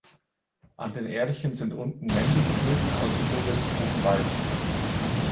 An den Ährchen sind unten männliche Blüten ausgebildet, oben weibliche.